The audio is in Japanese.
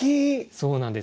そうなんです。